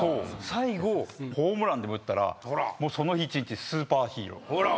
最後ホームランでも打ったらもうその日一日スーパーヒーロー。